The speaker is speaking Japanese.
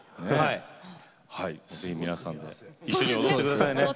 ぜひ皆さんで一緒に踊って下さいね。